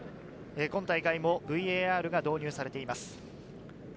今大会もＶＡＲが導入されています。